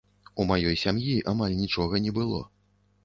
У маёй сям'і амаль нічога не было.